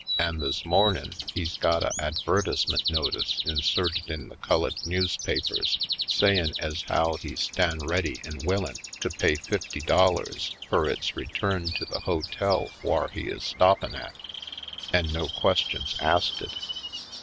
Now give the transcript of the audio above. An' this mornin' he's got a adver tisement notice inserted in the cullid newspapers sayin' ez how he stan' ready an' willin' to pay fifty dollars fur its re turn to the hotel whar he is stoppin' at, an' no questions asted.